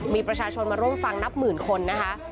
มีประชาชนมาร่วมฟังนับหมื่นคนนะคะ